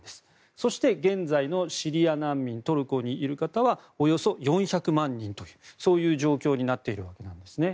そして、現在のシリア難民トルコにいる方はおよそ４００万人というそういう状況になっているわけなんですね。